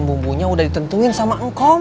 bumbunya udah ditentuin sama engkong